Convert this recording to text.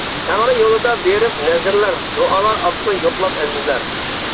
تەڭرى يولىدا بېرىپ نەزىرلەر، دۇئالار ئاپتۇ يوقلاپ ئەزىزلەر.